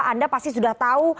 anda pasti sudah tahu